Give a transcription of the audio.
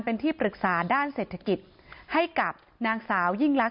เพราะไม่มีเงินไปกินหรูอยู่สบายแบบสร้างภาพ